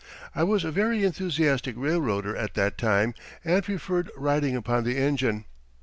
I was a very enthusiastic railroader at that time and preferred riding upon the engine.